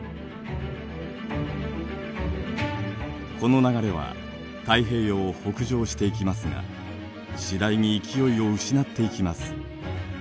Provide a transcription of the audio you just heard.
この流れは太平洋を北上していきますが次第に勢いを失っていきます。